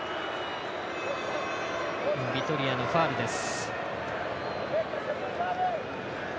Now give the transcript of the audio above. ビトリアのファウルです。